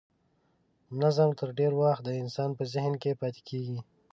نظم تر ډېر وخت د انسان په ذهن کې پاتې کیږي.